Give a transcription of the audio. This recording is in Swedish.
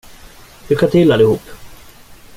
Lycka till, allihop.